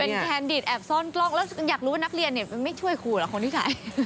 แทนดิตแอบซ่อนกล้องแล้วอยากรู้ว่านักเรียนเนี่ยไม่ช่วยครูเหรอคนที่ถ่าย